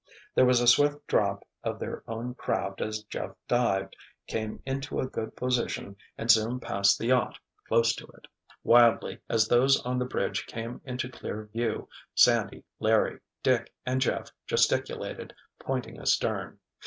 There was a swift drop of their own craft as Jeff dived, came into a good position and zoomed past the yacht, close to it. Wildly, as those on the bridge came into clear view, Sandy, Larry, Dick and Jeff gesticulated, pointing astern.